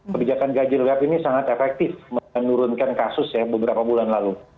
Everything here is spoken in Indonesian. kebijakan ganjil genap ini sangat efektif menurunkan kasus ya beberapa bulan lalu